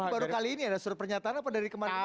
baru kali ini ada surat pernyataan apa dari kemarin